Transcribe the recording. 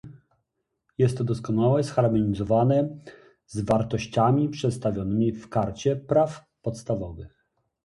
Jest to doskonale zharmonizowane z wartościami przedstawionymi w karcie praw podstawowych